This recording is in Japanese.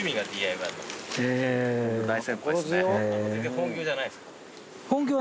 本業じゃないですから。